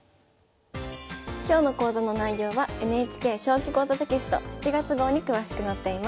今日の講座の内容はＮＨＫ「将棋講座」テキスト７月号に詳しく載っています。